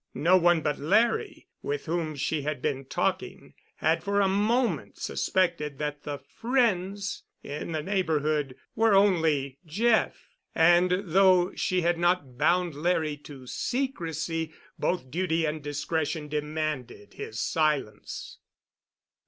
No one but Larry, with whom she had been talking, had for a moment suspected that the "friends" in the neighborhood were only Jeff, and, though she had not bound Larry to secrecy, both duty and discretion demanded his silence.